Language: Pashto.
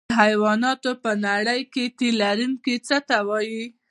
د حیواناتو په نړۍ کې تی لرونکي څه ته وایي